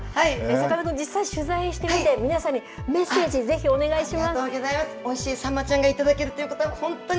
実際取材してみて、皆さんにメッセージ、ぜひお願いします。